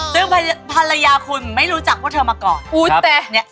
ซึ่งสหายคุณไม่รู้จักว่าเธอมาก่อน